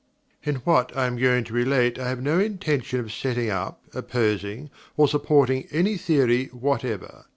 In what I am going to relate I have no intention of setting up, opposing, or supporting, any theory whatever.